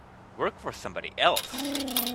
Work for somebody else.